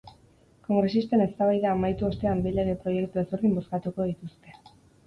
Kongresisten eztabaida amaitu ostean bi lege proiektu ezberdin bozkatuko dituzte.